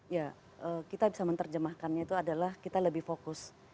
ya kita bisa menerjemahkannya itu adalah kita lebih fokus